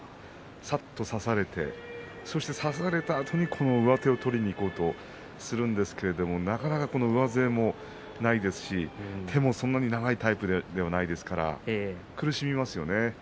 さっと差されてそして差されたあとに上手を取りにいこうとするんですけれどもなかなか、上背もないですし手もそんなに長いタイプではないですから苦しみますよね。